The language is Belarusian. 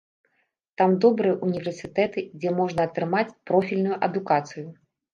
Там добрыя ўніверсітэты, дзе можна атрымаць профільную адукацыю.